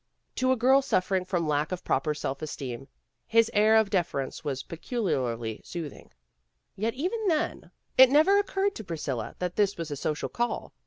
To a girl suffering from lack of proper self esteem, his air of deference was peculiarly soothing. Yet even then, it never 64 PEGGY RAYMOND'S WAY occurred to Priscilla that this was a social call.